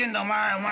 お前。